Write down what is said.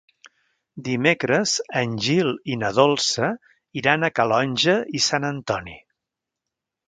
Dimecres en Gil i na Dolça iran a Calonge i Sant Antoni.